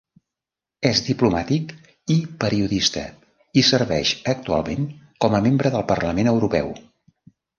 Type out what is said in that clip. És diplomàtic i periodista i serveix actualment com a membre del Parlament Europeu.